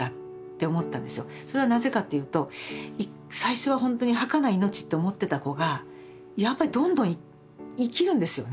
それはなぜかっていうと最初はほんとにはかない命って思ってた子がやっぱりどんどん生きるんですよね。